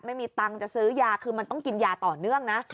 ไม่มีตังค์จะซื้อยาคือมันต้องกินยาต่อเนื่องนะ